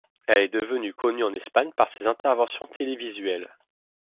Elle est devenue connue en Espagne par ses interventions télévisuelles.